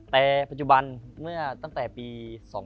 แต่ปัจจุบันเมื่อตั้งแต่ปี๒๕๕๙